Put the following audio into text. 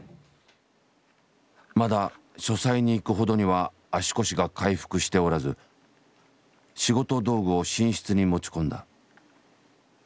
まだ書斎に行くほどには足腰が回復しておらず仕事道具を寝室に持ち込んだ。